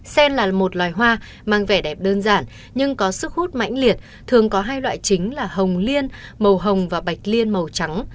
sen là một loài hoa mang vẻ đẹp đơn giản nhưng có sức hút mãnh liệt thường có hai loại chính là hồng liên màu hồng và bạch liên màu trắng